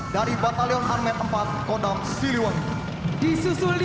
dari batalion armet sepuluh kostra